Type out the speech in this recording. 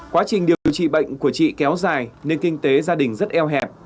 quá trình điều trị bệnh của chị kéo dài nên kinh tế gia đình rất eo hẹp